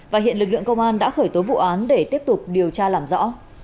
và hiện lực lượng công an đã khởi tố vụ án để tiếp tục điều tra làm rõ